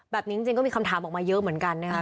แบบนี้จริงก็มีคำถามออกมาเยอะเหมือนกันนะครับ